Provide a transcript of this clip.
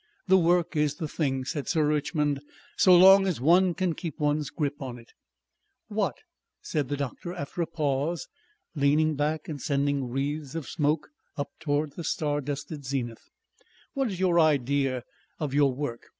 "The work is the thing," said Sir Richmond. "So long as one can keep one's grip on it." "What," said the doctor after a pause, leaning back and sending wreaths of smoke up towards the star dusted zenith, "what is your idea of your work?